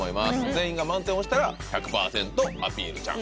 全員が満点押したら１００％アピールちゃん